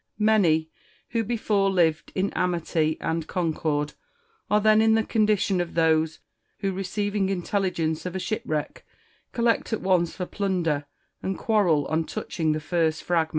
Many, who before lived in amity and concord, are then in the condition of those who, receiving intelligence of a shipwreck, collect at once for plunder, and quarrel on touching the first fragment.